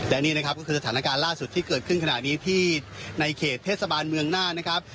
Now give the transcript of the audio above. และนี่นะครับก็คือสถานการณ์ล่าสุดที่เกิดขึ้นขณะนี้ที่ในเขตเทศบาลเมืองน่านนะครับ